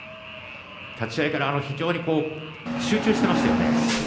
立ち合いから集中していましたね。